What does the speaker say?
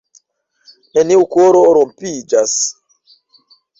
neniu koro rompiĝas